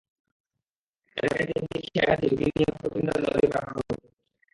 এলাকার তিনটি খেয়াঘাট দিয়ে ঝুঁকি নিয়ে প্রতিদিন তাদের নদী পারাপার হতে হচ্ছে।